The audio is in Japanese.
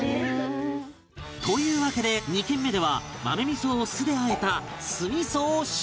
というわけで２軒目では豆味を酢で和えた酢味を習得